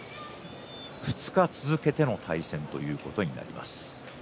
２日続けての対戦ということになります。